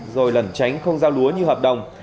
rồi lẩn tránh không giao lúa như hợp đồng